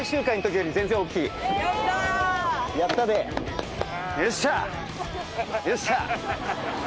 よっしゃ！